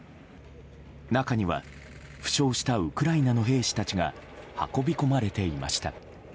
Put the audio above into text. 中には、負傷したウクライナの兵士たちが運び込まれていました。